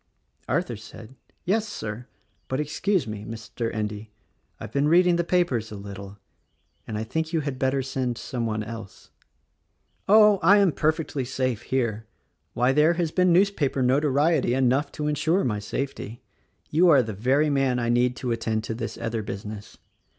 Arthur said, "Yes, Sir; but, excuse me, Mr. Endy, — I've been reading the papers a little, — and I think you had better send some one else." "Oh! I am perfectly saTe here. Why, there has been newspaper notoriety enough to insure my safety. You are the very man I need to attend to this other business.